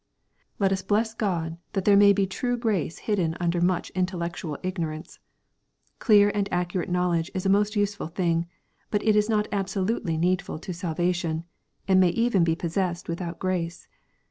Let us bless God that there may be true grace hidden under much intellectual ignorance. Clear and accurate knowledge is a most useful thing, but it is not absolutely needful to salvation, and may even be possessed without grace.